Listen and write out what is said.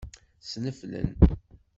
Ssneflen.